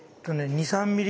２３ｍｍ！？